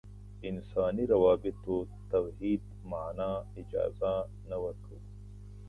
انساني روابطو توحید معنا اجازه نه ورکوو.